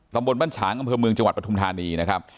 ตำบลบ้านฉางอำเภอเมืองจังหวัดปฐุมธานีนะครับ